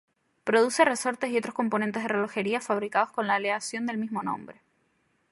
Produce resortes y otros componentes de relojería fabricados con la aleación del mismo nombre.